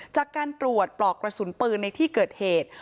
จากการตรวจปลอกกระสุนปืนในที่เกิดเหตุ